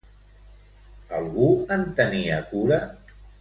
Algú en tenia cura?